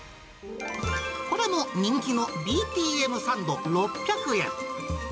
これも人気のＢＴＭサンド６００円。